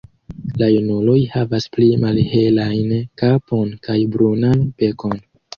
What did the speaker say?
La junuloj havas pli malhelajn kapon kaj brunan bekon.